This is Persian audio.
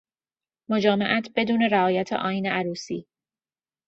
مجامعت بدود رعایت آئین عروسی